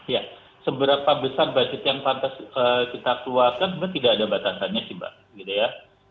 ya seberapa besar budget yang pantas kita keluarkan sebenarnya tidak ada batasannya sih mbak gitu ya